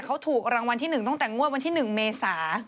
เขาถูกรางวัลที่๑ตั้งแต่งวดวันที่๑เมษา